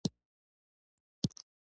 مږه چينګه خوله لري.